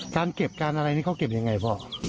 การเก็บการอะไรเขาเก็บอย่างไรพ่อ